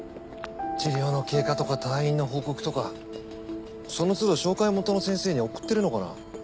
治療の経過とか退院の報告とかそのつど紹介元の先生に送ってるのかな？